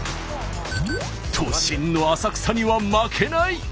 都心の浅草には負けない！